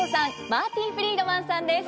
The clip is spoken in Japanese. マーティ・フリードマンさんです。